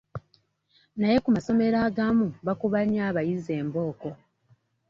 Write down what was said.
Naye ku amasomero agamu gakuba nnyo abayizi embooko.